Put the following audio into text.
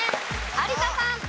有田さん。